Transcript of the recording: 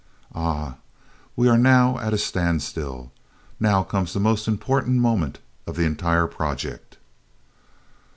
Ah! we are now at a standstill now comes the most important moment of the entire project!"